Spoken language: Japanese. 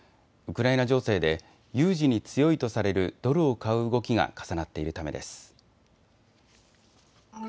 ウクライナ情勢で有事に強いとされるドルを買う動きが重なっているためです。